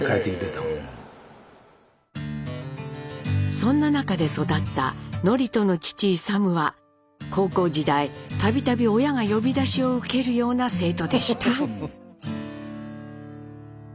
そんな中で育った智人の父・勇は高校時代度々親が呼び出しを受けるような生徒でした。